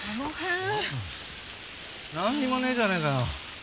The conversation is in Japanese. なんにもねえじゃねえかよ。